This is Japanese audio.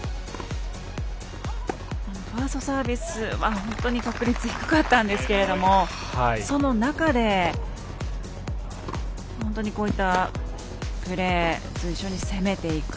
ファーストサービスは本当に確率低かったんですがその中で、本当にこういったプレー、随所に攻めていく。